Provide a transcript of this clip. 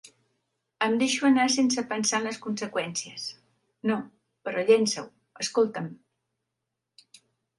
Em deixo anar sense pensar en les conseqüències:No, però llença-ho, escolta'm.